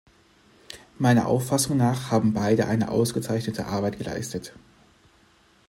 Meiner Auffassung nach haben beide eine ausgezeichnete Arbeit geleistet.